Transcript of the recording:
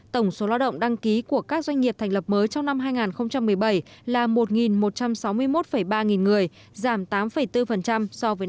tổng số lao động đăng ký của các doanh nghiệp thành lập mới trong năm hai nghìn một mươi bảy là một một trăm sáu mươi một ba nghìn người giảm tám bốn so với năm hai nghìn một